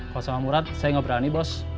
kalau sama murad saya nggak berani bos